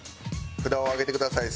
札を上げてください。